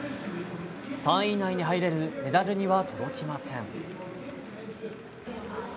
３位以内に入れずメダルには届きません。